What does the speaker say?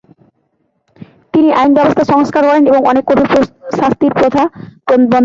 তিনি আইন ব্যবস্থার সংস্কার করেন এবং অনেক কঠোর শাস্তির প্রথা বন্ধ করেন।